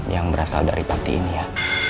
yang berasal dari pati ini ya